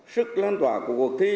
sức lan tỏa của cuộc thi